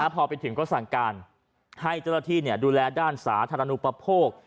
พอเป็นถึงก็สั่งการให้เจ้าละที่นี่ดูแลด้านสาธราโนประโภค